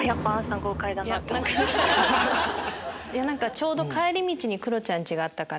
ちょうど帰り道に黒ちゃんちがあったから。